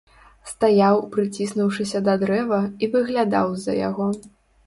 Стаяў, прыціснуўшыся да дрэва, і выглядаў з-за яго.